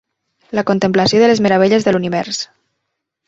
La contemplació de les meravelles de l'univers.